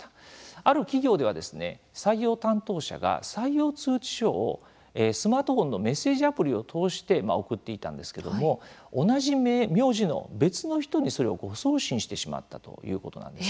ある企業では採用担当者が採用通知書をスマートフォンのメッセージアプリを通して送っていたんですけれども同じ名字の別の人にそれを誤送信してしまったということなんです。